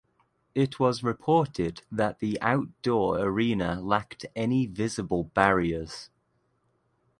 It was reported that the outdoor arena lacked any visible barriers.